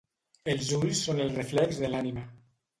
Els ulls són el reflex de l'ànima.